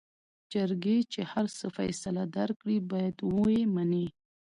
جرګې چې هر څه فيصله درکړې بايد وې منې.